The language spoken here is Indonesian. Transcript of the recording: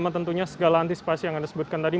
tentunya segala antisipasi yang anda sebutkan tadi